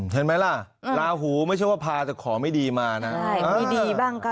เห็นไหมล่ะลาหูไม่ใช่ว่าพาแต่ของไม่ดีมานะใช่ไม่ดีบ้างก็